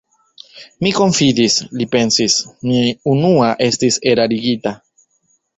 Mi konfidis, li pensis: mi unua estis erarigita.